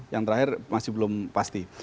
yang terakhir masih belum pasti